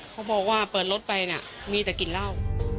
เขาบอกว่าเปิดรถไปน่ะมีแต่กลิ่นเหล้า